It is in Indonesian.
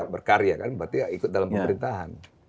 berkarya kan berarti ya ikut dalam pemerintahan